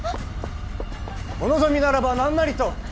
お望みならば何なりと。